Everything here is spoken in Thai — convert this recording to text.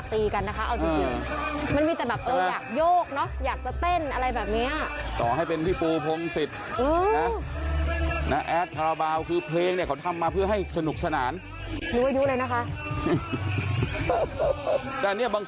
เพลงนี้มันเหน้าตีอยู่ในไหนละครับ